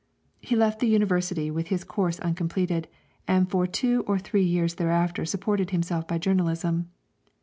He left the University with his course uncompleted, and for two or three years thereafter supported himself by journalism.